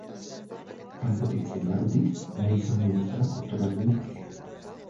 Kanpotik zein barrutik, nahi izan duen bezala kontrolatu du partida.